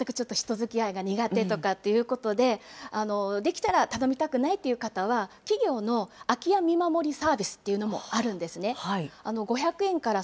ただ、全くちょっと人づきあいが苦手とかっていうことで、できたら頼みたくないという方は、企業の空き家見守りサービスっていうのもあるんですね。